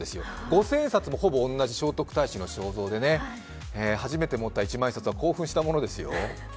五千円札もほぼ同じ聖徳太子の肖像でね初めて持った一万円札は興奮したものですよ。